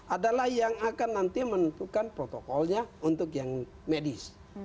adalah yang akan nanti menentukan protokolnya untuk yang medis